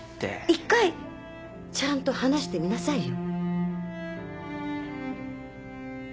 一回ちゃんと話してみなさいよ。